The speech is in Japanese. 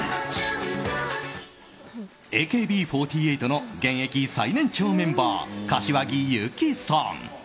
ＡＫＢ４８の現役最年長メンバー柏木由紀さん。